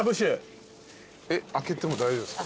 開けても大丈夫ですか？